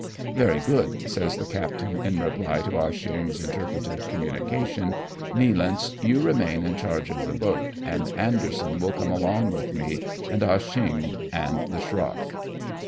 "Very good," sa3'8 the captain, in reply to Ah Cheong's interpreted communication; "Nealance, you remain in charge of the boat, and Anderson will come along with me and Ah Cheong and the schroff."